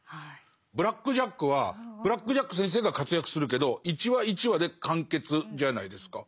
「ブラック・ジャック」はブラック・ジャック先生が活躍するけど一話一話で完結じゃないですか。